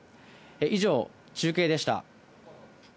以上、中継でした。